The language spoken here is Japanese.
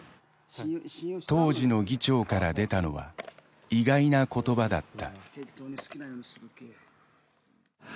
当時の議長から出たのは意外な言葉だった。